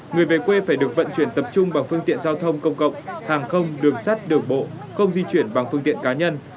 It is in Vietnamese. người về quê phải được vận chuyển tập trung bằng phương tiện giao thông công cộng hàng không đường sắt đường bộ không di chuyển bằng phương tiện cá nhân